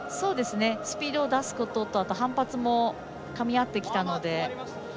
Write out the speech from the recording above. スピードを出すことと反発もかみ合ってきたので。